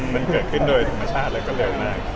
มันเกิดขึ้นโดยธุมชาติละครั้งน้าง